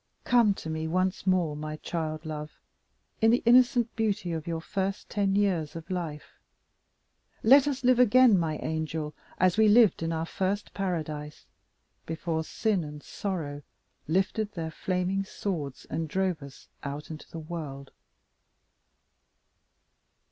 Come to me once more, my child love, in the innocent beauty of your first ten years of life. Let us live again, my angel, as we lived in our first paradise, before sin and sorrow lifted their flaming swords and drove us out into the world.